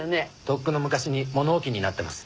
とっくの昔に物置になってます。